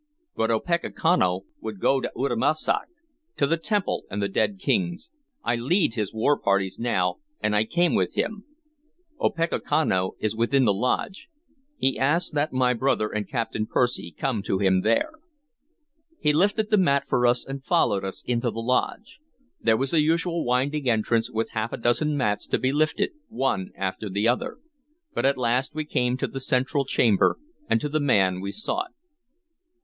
"But Opechancanough would go to Uttamussac, to the temple and the dead kings. I lead his war parties now, and I came with him. Opechancanough is within the lodge. He asks that my brother and Captain Percy come to him there." He lifted the mat for us, and followed us into the lodge. There was the usual winding entrance, with half a dozen mats to be lifted one after the other, but at last we came to the central chamber and to the man we sought.